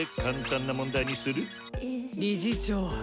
理事長